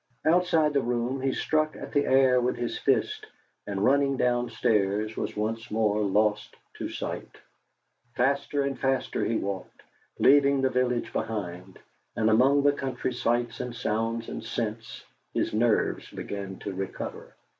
Outside the door he struck at the air with his fist, and, running downstairs, was once more lost to sight. Faster and faster he walked, leaving the village behind, and among the country sights and sounds and scents his nerves began to recover.